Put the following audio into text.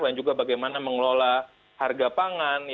dan juga bagaimana mengelola harga pangan